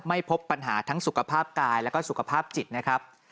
พบปัญหาทั้งสุขภาพกายแล้วก็สุขภาพจิตนะครับ